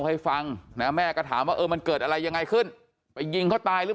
ให้ฟังนะแม่ก็ถามว่าเออมันเกิดอะไรยังไงขึ้นไปยิงเขาตายหรือ